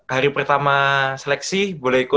hari pertama seleksi boleh ikut